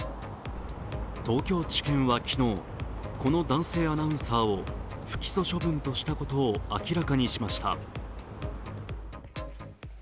東京地裁は昨日、この男性アナウンサーを不起訴処分としたことを明らかにしました。